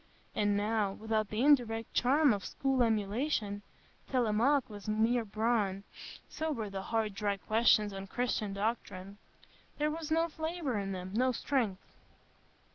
And now—without the indirect charm of school emulation—Télémaque was mere bran; so were the hard, dry questions on Christian Doctrine; there was no flavour in them, no strength.